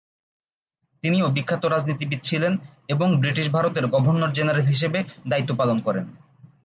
তিনিও বিখ্যাত রাজনীতিবিদ ছিলেন এবং ব্রিটিশ ভারতের গভর্নর জেনারেল হিসেবে দায়ীত্ব পালন করেন।